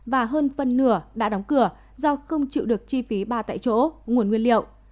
và hơn phân nửa đã đóng cửa do không chịu được chi phí ba tại chỗ nguồn nguyên liệu